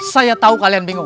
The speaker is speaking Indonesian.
saya tahu kalian bingung